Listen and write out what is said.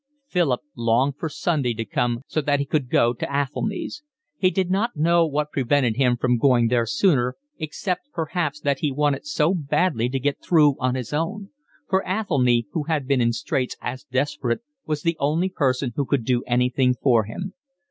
Philip longed for Sunday to come so that he could go to Athelny's. He did not know what prevented him from going there sooner, except perhaps that he wanted so badly to get through on his own; for Athelny, who had been in straits as desperate, was the only person who could do anything for him.